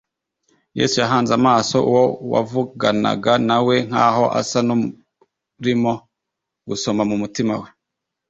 , Yesu yahanze amaso uwo wavuganaga na we, nk’aho asa n’urimo gusoma mu mutima we.